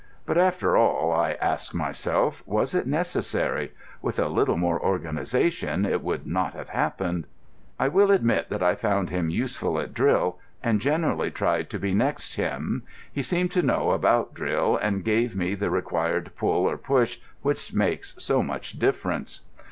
But after all, I ask myself, was it necessary? With a little more organisation it would not have happened. I will admit that I found him useful at drill and generally tried to be next him. He seemed to know about drill, and gave me the required pull or push which makes so much difference.